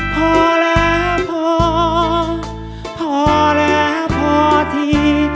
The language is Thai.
พอและพอพอและพอที่